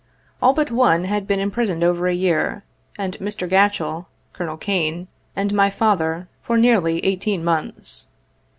All hut one had been imprisoned over a year, and Mr. G atchell, Col. Kane and my father for nearly eighteen months.